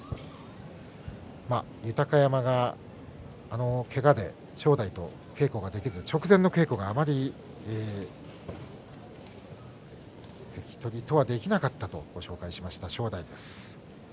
豊山が、けがで正代と稽古ができず直前の稽古があまり関取とはできなかったという正代です。